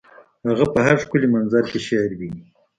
هغه په هر ښکلي منظر کې شعر ویني